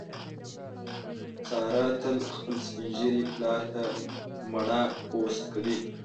ساره تل خپل سپین ږیري پلار ته مڼه پوست کوي.